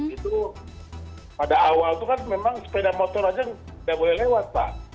itu pada awal itu kan memang sepeda motor aja tidak boleh lewat pak